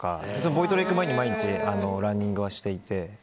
ボイトレ行く前に毎日ランニングはしていて。